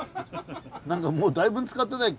何かもうだいぶ使ってない。